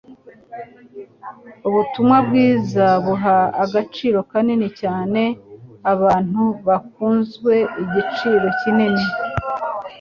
Ubutuunwa bwiza buha agaciro kanini cyane abantu baguzwe igiciro kinini